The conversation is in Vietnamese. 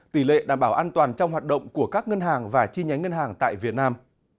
tỷ lệ đảm bảo an toàn trong hoạt động của các ngân hàng và chi nhánh ngân hàng tại việt nam